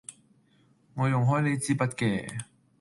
我用開呢枝筆嘅